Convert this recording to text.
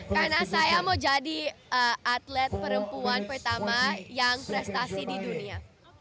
karena saya mau jadi atlet perempuan pertama yang prestasi di dunia